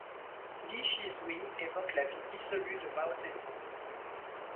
Li Zhisui évoque la vie dissolue de Mao Zedong.